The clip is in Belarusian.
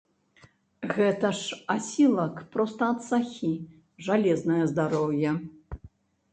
Гэта ж асілак, проста ад сахі, жалезнае здароўе.